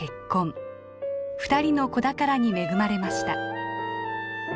２人の子宝に恵まれました。